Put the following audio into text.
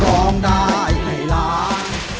ร้องได้ให้ล้าน